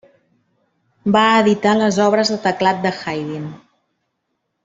Va editar les obres de teclat de Haydn.